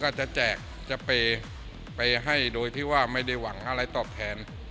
จะแจกจะไปให้โดยที่ว่าไม่ได้หวังอะไรตอบแทน